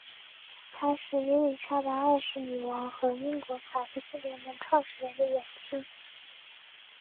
他是伊丽莎白二世女王和英国法西斯联盟创始人的远亲。